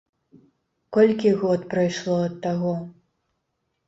Колькі год прайшло ад таго?